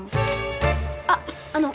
あっあの。